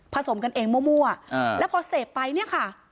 สมกันเองมั่วแล้วพอเสพไปเนี่ยค่ะ